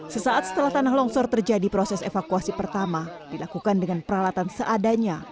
sesaat setelah tanah longsor terjadi proses evakuasi pertama dilakukan dengan peralatan seadanya